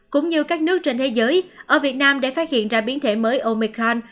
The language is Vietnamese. cũng như các nước trên thế giới ở việt nam để phát hiện ra biến thể mới omican